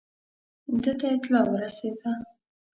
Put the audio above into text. ده ته اطلاع ورسېده.